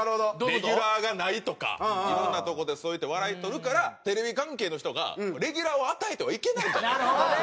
レギュラーがないとかいろんなとこでそうやって笑い取るからテレビ関係の人がレギュラーを与えてはいけないんじゃないかと。